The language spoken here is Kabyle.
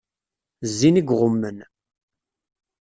Zzin i iɣummen.